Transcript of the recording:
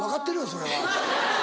それは。